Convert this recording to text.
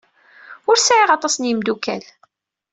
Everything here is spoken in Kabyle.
Ur sɛiɣ aṭas n yimeddukal.